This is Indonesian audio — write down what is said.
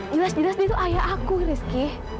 jelas jelas dia itu ayah aku rizky